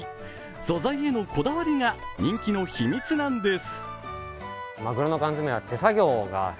素材へのこだわりが人気の秘密なんです。